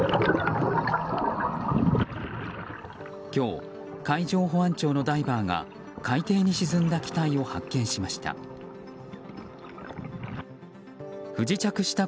今日、海上保安庁のダイバーが海底に沈んだ機体を発見しました。